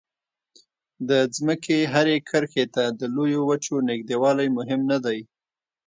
د ځمکې هرې کرښې ته د لویو وچو نږدېوالی مهم نه دی.